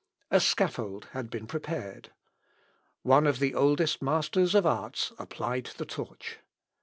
A scaffold had been prepared. One of the oldest masters of arts applied the torch.